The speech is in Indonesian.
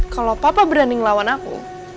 kalau papa berani ngelawan aku